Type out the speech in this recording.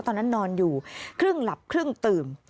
ตอนนั้นนอนอยู่ครึ่งหลับครึ่งตื่ม